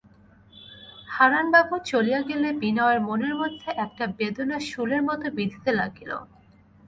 হারানবাবু চলিয়া গেলে বিনয়ের মনের মধ্যে একটা বেদনা শূলের মতো বিঁধিতে লাগিল।